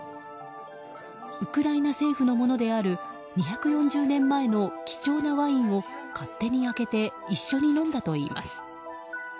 ウクライナ政府のものである２４０年前の貴重なワインを勝手に開けて一緒に飲んだといいます。